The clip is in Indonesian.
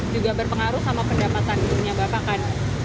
juga berpengaruh sama pendapatan ibunya bapak kan